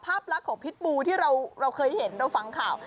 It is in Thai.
ภาพลักษณ์ของพิษบูที่เราเคยเห็นเราฟังข่าว